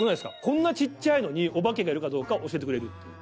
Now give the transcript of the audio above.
こんなちっちゃいのにおばけがいるかどうかを教えてくれるっていう。